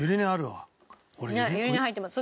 ゆり根入ってます。